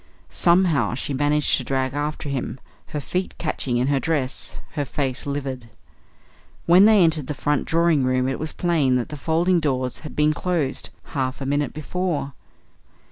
Somehow she managed to drag after him, her feet catching in her dress, her face livid. When they entered the front drawing room it was plain that the folding doors had been closed half a minute before.